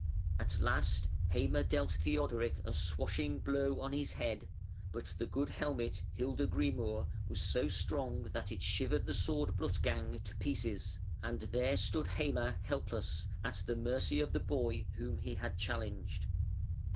At last Heime dealt Theodoric a swashing blow on his head, but the good helmet Hildegrimur was so strong that it shivered the sword Blutgang to pieces, and there stood Heime helpless, at the mercy of the boy whom he had challenged.